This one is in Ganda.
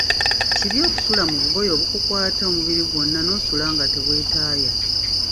Kibi okusula mu bugoye obukukukwata omubiri gwonna nosula nga teweetaaya.